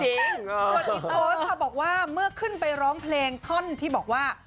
ส่วนอีกโพสต์ค่ะบอกว่าเมื่อขึ้นไปร้องเพลงท่อนที่บอกว่า